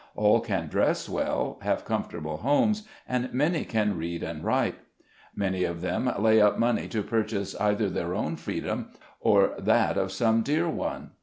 All can dress well, have comfortable homes, and many can read and write. Many of them lay up money to purchase either their own freedom or that of some dear one.